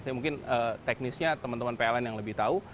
saya mungkin teknisnya teman teman pln yang lebih tahu